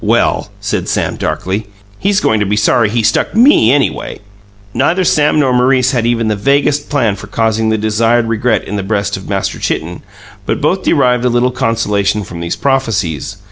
"Well," said Sam darkly, "he's goin' to be sorry he stuck ME, anyway!" Neither Sam nor Maurice had even the vaguest plan for causing the desired regret in the breast of Master Chitten; but both derived a little consolation from these prophecies.